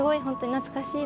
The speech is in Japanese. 懐かしい？